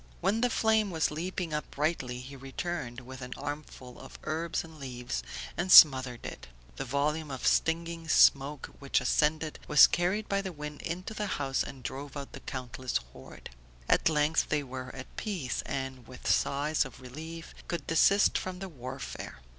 When the flame was leaping up brightly he returned with an armful of herbs and leaves and smothered it; the volume of stinging smoke which ascended was carried by the wind into the house and drove out the countless horde. At length they were at peace, and with sighs of relief could desist from the warfare.